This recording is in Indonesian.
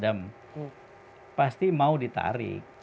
dan pasti mau ditarik